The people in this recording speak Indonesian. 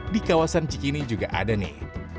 di kawasan cikini juga ada nih